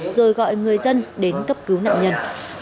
tôi gọi người dân đến cấp cứu nạn nhân